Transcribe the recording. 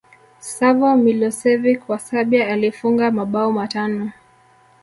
savo milosevic wa serbia alifunga mabao matano